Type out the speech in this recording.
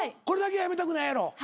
これだけは辞めたくないやろ？